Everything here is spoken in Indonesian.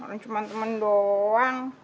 ini cuma temen doang